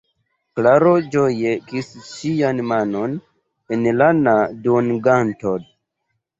Klaro ĝoje kisis ŝian manon en lana duonganto.